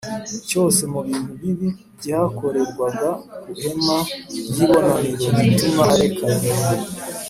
cyose mu bintu bibi byakorerwaga ku ihema ry ibonaniro gituma areka